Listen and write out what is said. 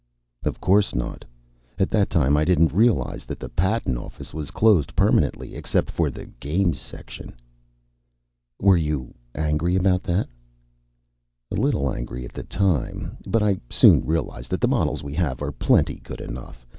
"Of course not. At that time I didn't realize that the patent office was closed permanently except for the games section." "Were you angry about that?" "A little angry at the time. But I soon realized that the models we have are plenty good enough.